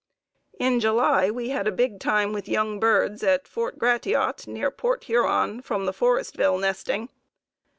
In July we had a big time with young birds at Fort Gratiot, near Port Huron, from the Forestville nesting.